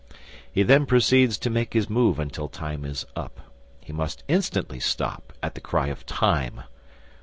He then proceeds to make his move until time is up. He must instantly stop at the cry of "Time."